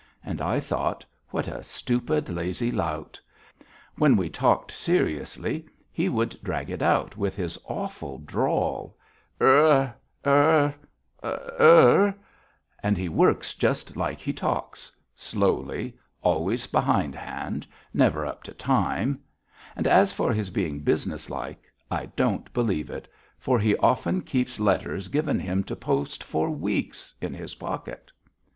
And I thought: What a stupid, lazy lout! When we talked seriously he would drag it out with his awful drawl er, er, er and he works just as he talks slowly, always behindhand, never up to time; and as for his being businesslike, I don't believe it, for he often keeps letters given him to post for weeks in his pocket.